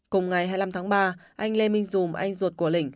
cùng ngày hai mươi năm tháng ba anh lê minh dùm anh ruột của linh